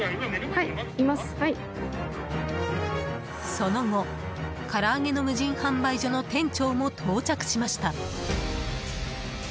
その後から揚げの無人販売所の店長も到着しました。